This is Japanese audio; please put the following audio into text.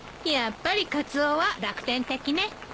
やっぱりカツオは楽天的ね。